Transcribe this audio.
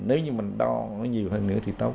nếu như mình đo nó nhiều hơn nữa thì tốt